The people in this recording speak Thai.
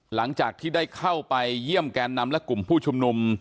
หลังจากที่ได้เข้าไปเยี่ยมแกนนำและกลุ่มผู้ชุมนุม